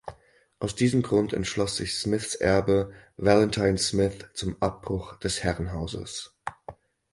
Aus diesem Grund entschloss sich Smiths Erbe "Valentine Smith" zum Abbruch des Herrenhauses.